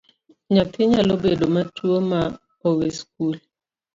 Nyathi nyalo bedo matuwo ma owe skul.